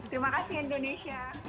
terima kasih indonesia